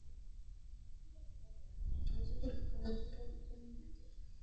নজরুলসংগীত পরিবেশন করেন লোকমান চৌধুরী রাসু, অপু বর্মণ, মুনমুন চৌধুরী, তাসনিয়া তাহসিন তিতলি।